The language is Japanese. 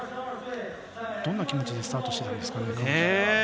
どんな気持ちでスタートしてたんですかね？